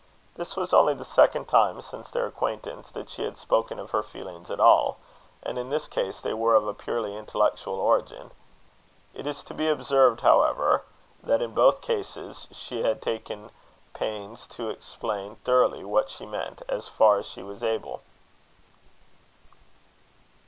This was only the second time since their acquaintance, that she had spoken of her feelings at all; and in this case they were of a purely intellectual origin. It is to be observed, however, that in both cases she had taken pains to explain thoroughly what she meant, as far as she was able.